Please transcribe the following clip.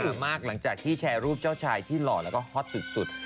มากหลังจากที่แชร์รูปเจ้าชายที่หล่อแล้วก็ฮอตสุด